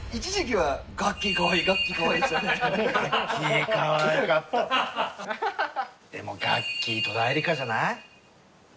でもガッキー戸田恵梨香じゃない？